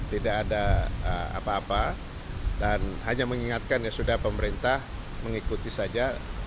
tidak ada apa apa dan hanya mengingatkan ya sudah pemerintah mengikuti saja